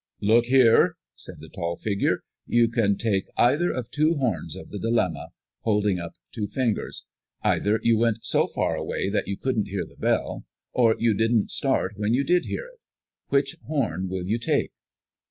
"Look here," said the tall figure, "you can take either of the two horns of the dilemma," holding up two fingers. "Either you went so far away that you couldn't hear the bell, or you didn't start when you did hear it. Which horn will you take?"